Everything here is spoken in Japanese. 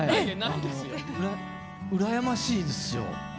うらやましいですよ。